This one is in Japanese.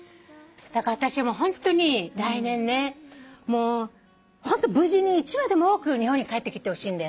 だから私ホントに来年ねもうホント無事に１羽でも多く日本に帰ってきてほしいんだよね。